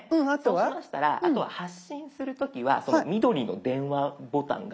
そうしましたらあとは発信する時は緑の電話ボタンがあるじゃないですか。